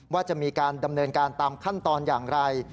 ว่าจะมีการดำเนินการตามขั้นตอนอย่างไร